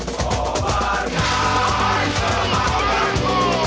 komarkas sama bangku